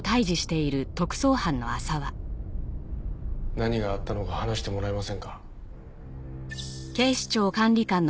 何があったのか話してもらえませんか？